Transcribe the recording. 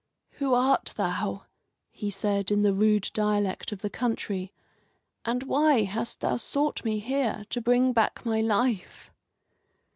"Who art thou?" he said, in the rude dialect of the country, "and why hast thou sought me here to bring back my life?"